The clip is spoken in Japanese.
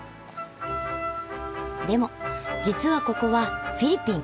でも実はここはフィリピン。